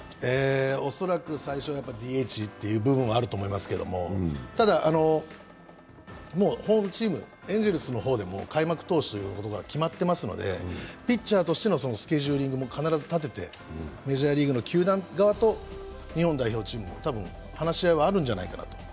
恐らく最初はＤＨという部分はあると思いますがもうホームチーム、エンゼルスの方でも開幕投手が決まっていますのでピッチャーとしてのスケジューリングも必ず立ててメジャーリーグの球団側と日本代表チームの話し合いはあるんじゃないかと。